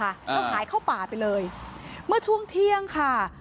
แล้วหายเข้าป่าไปเลยเมื่อช่วงเที่ยงค่ะ